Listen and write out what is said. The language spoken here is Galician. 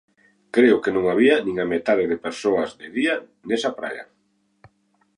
Creo que non había nin a metade de persoas de día nesa praia.